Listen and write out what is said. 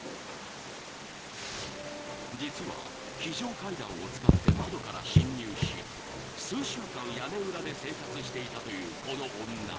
［実は非常階段を使って窓から侵入し数週間屋根裏で生活していたというこの女］